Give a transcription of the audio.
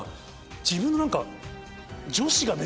自分の何か。